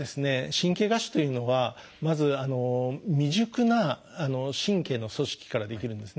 神経芽腫というのはまず未熟な神経の組織から出来るんですね。